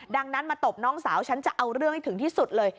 ดังนั้นมาตบน้องสาวฉันจะเอาเรื่องให้ถึงที่สุดเลย